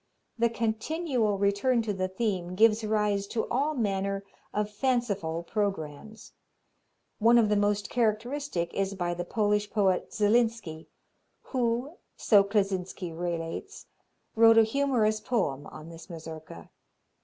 The continual return to the theme gives rise to all manner of fanciful programmes. One of the most characteristic is by the Polish poet Zelenski, who, so Kleczynski relates, wrote a humorous poem on this mazurka.